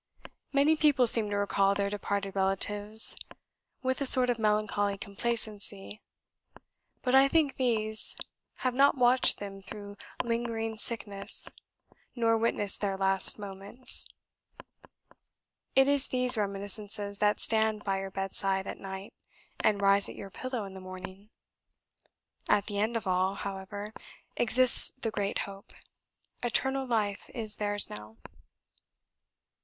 Many people seem to recall their departed relatives with a sort of melancholy complacency, but I think these have not watched them through lingering sickness, nor witnessed their last moments: it is these reminiscences that stand by your bedside at night, and rise at your pillow in the morning. At the end of all, however, exists the Great Hope. Eternal Life is theirs now."